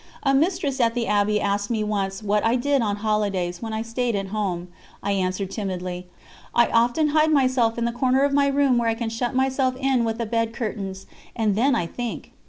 A mistress at the Abbey asked me once what I did on holidays, when I stayed at home. I answered timidly: "I often hide myself in a corner of my room where I can shut myself in with the bed curtains, and then I think."